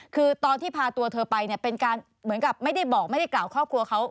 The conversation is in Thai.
คือตอนที่พาตัวเธอไปเนี่ยเป็นการเหมือนกับไม่ได้บอกไม่ได้กล่าวครอบครัวเขา